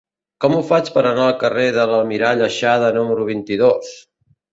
Com ho faig per anar al carrer de l'Almirall Aixada número vint-i-dos?